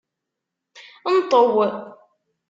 Nṭew!